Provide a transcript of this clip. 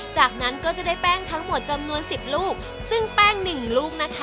จากนั้นก็จะได้แป้งทั้งหมดจำนวนสิบลูกซึ่งแป้งหนึ่งลูกนะคะ